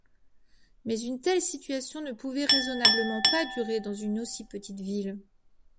Mais une telle situation ne pouvait raisonnablement pas durer dans une aussi petite ville.